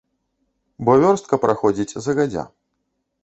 Бо вёрстка праходзіць загадзя.